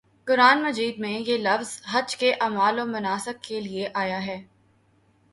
قرآنِ مجید میں یہ لفظ حج کے اعمال و مناسک کے لیے آیا ہے